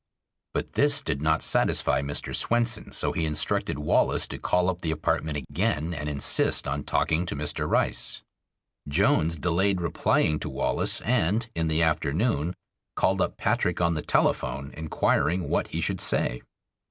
But this did not satisfy Mr. Swenson, so he instructed Wallace to call up the apartment again and insist on talking to Mr. Rice. Jones delayed replying to Wallace and in the afternoon called up Patrick on the telephone, inquiring what he should say.